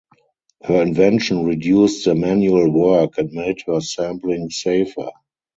Her invention reduced the manual work and made the sampling safer.